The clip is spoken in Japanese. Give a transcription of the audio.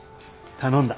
頼んだ。